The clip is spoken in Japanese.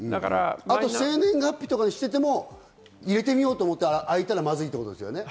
生年月日とかにしてても入れてみようと思ったら、開いたらまずいってことですね。